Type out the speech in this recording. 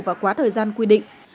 và quá thời gian quy định